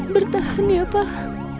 bertahan ya pak